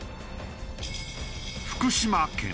福島県。